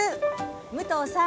武藤さん